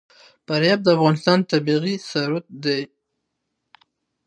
فاریاب د افغانستان طبعي ثروت دی.